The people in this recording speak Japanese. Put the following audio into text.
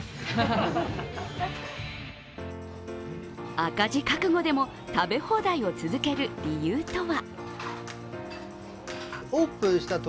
赤字覚悟でも食べ放題を続ける理由とは。